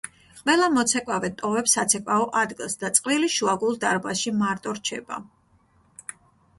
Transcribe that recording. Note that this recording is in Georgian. ყველა მოცეკვავე ტოვებს საცეკვაო ადგილს და წყვილი შუაგულ დარბაზში მარტო რჩება.